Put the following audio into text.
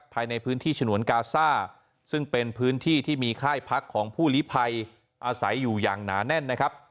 ภายในพื้นที่ฉนวนกาซ่าซึ่งเป็นพื้นที่ที่มีค่ายพักของผู้ลิภัยอาศัยอยู่อย่างหนาแน่นนะครับ